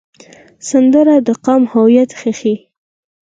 سندره د قوم هویت ښيي